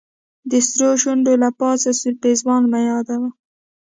د سرو شونډو له پاسه سور پېزوان مه يادوه